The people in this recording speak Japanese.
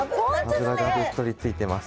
脂がべっとりついてます。